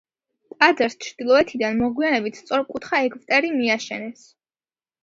ტაძარს ჩრდილოეთიდან მოგვიანებით სწორკუთხა ეგვტერი მიაშენეს.